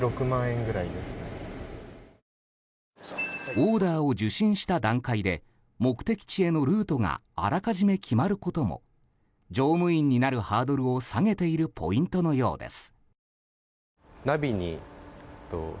オーダーを受信した段階で目的地へのルートがあらかじめ決まることも乗務員になるハードルを下げているポイントのようです。